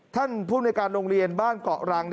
ท่านภูมิในการโรงเรียนบ้านเกาะรัง